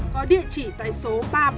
có địa chỉ tại số ba trăm bốn mươi một